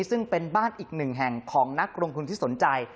ซึ่งเป็นบ้านอีกหนึ่งแห่งของนักลงทุนที่สนใจ